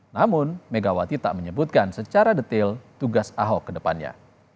namun megawati tak menyebutkan secara detail tugas ahok ke depannya